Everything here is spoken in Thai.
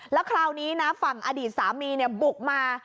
แล้วคราวนี้นะฝั่งอดีตสามีบุกมา